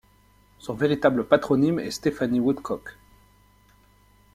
Son véritable patronyme est Stephanie Woodcock.